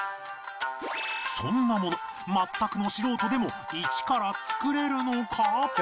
そんなもの全くの素人でもイチから作れるのか？